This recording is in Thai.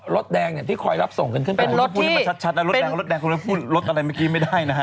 รถแดงช่วยดอยสุเทพไม่ได้